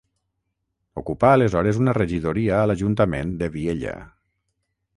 Ocupà aleshores una regidoria a l'ajuntament de Vielha.